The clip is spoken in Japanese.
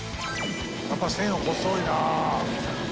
やっぱり線細いな。